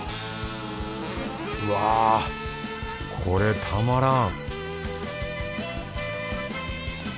わぁこれたまらん